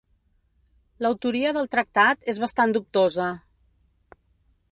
L'autoria del tractat és bastant dubtosa.